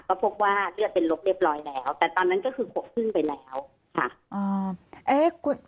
ก็พบว่าเลือดเป็นลบเรียบร้อยแล้วแต่ตอนนั้นก็คือ๖ครึ่งไปแล้วค่ะ